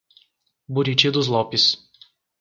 Buriti dos Lopes